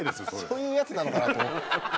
そういうやつなのかなと思う。